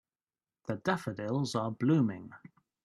The daffodils are blooming.